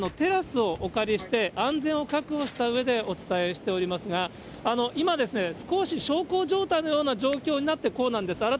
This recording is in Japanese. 安全を確保したうえでお伝えしておりますが、今、少し小康状態のような状況になってこうなんです。